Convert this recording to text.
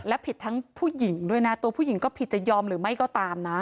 และผิดทั้งผู้หญิงด้วยนะตัวผู้หญิงก็ผิดจะยอมหรือไม่ก็ตามนะ